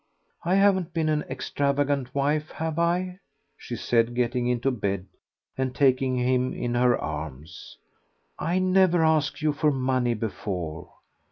"I haven't been an extravagant wife, have I?" she said, getting into bed and taking him in her arms. "I never asked you for money before.